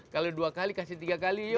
kalau dua kali kasih tiga kali yuk